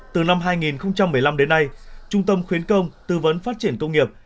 từ năm hai nghìn một mươi năm đến nay trung tâm khuyến công tư vấn phát triển công nghiệp